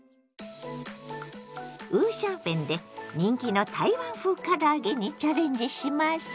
五香粉で人気の台湾風から揚げにチャレンジしましょ！